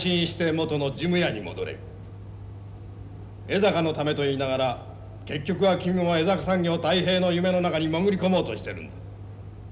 江坂のためと言いながら結局は君も江坂産業太平の夢の中に潜り込もうとしてるんだ。